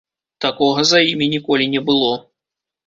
Такога за імі ніколі не было.